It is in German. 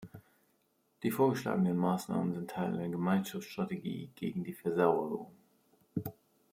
Die vorgeschlagenen Maßnahmen sind Teil einer Gemeinschaftsstrategie gegen die Versauerung.